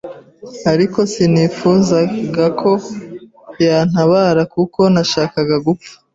ariko sinifuzaga ko yantabara kuko nashakaga gupfa